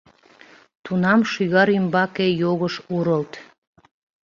Тунам шӱгар ӱмбаке йогыш урылт.